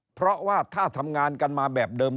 เพราะว่าถ้าทำงานกันมาแบบเดิม